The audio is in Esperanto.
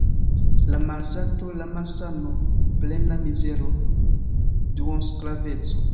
La malsato, la malsano, plena mizero, duonsklaveco.